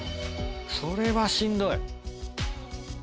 それはしんどい。